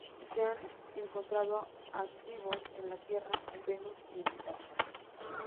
Se han encontrado activos en la Tierra, en Venus y en Titán.